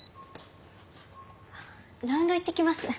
ラウンド行ってきます。